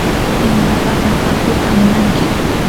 ¿imapataq hakuuta munanki?